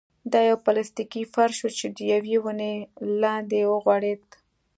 دا يو پلاستيکي فرش و چې د يوې ونې لاندې وغوړېد.